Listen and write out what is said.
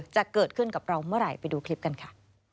จะเกิดขึ้นกับเราเมื่อไหร่ไปดูคลิปกันค่ะ